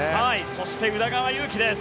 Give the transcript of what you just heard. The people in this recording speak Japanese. そして宇田川優希です。